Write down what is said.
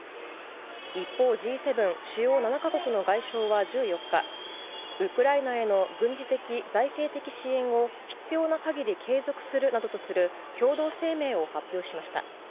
一方、Ｇ７・主要７か国の外相は１４日、ウクライナへの軍事的財政的支援を必要なかぎり継続するなどとする共同声明を発表しました。